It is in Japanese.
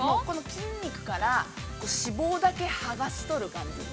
筋肉から脂肪だけ剥がしとる感じです。